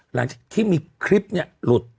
หลังจากที่มีคลิปเนี่ยหลุด